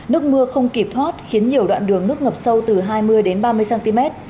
nước mưa không kịp thoát khiến nhiều đoạn đường nước ngập sâu từ hai mươi đến ba mươi cm